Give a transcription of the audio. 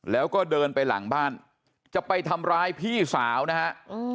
แล้วก็เดินไปหลังบ้านจะไปทำร้ายพี่สาวนะฮะ